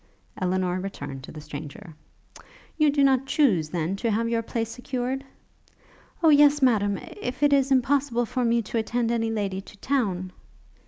Elinor returned to the stranger. 'You do not chuse, then, to have your place secured?' 'O yes Madam! if it is impossible for me to attend any lady to town.'